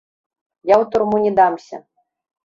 Я ў турму не дамся.